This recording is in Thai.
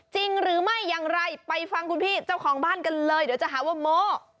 จริงหรือไม่อย่างไรไปฟังคุณพี่เจ้าของบ้านกันเลยเดี๋ยวจะหาว่าโม้